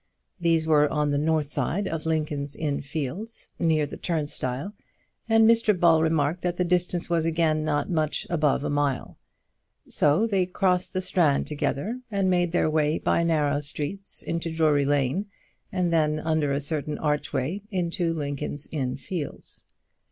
These were on the north side of Lincoln's Inn Fields, near the Turnstile, and Mr Ball remarked that the distance was again not much above a mile. So they crossed the Strand together, and made their way by narrow streets into Drury Lane, and then under a certain archway into Lincoln's Inn Fields.